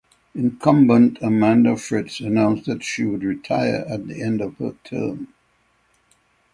Incumbent Amanda Fritz announced that she would retire at the end of her term.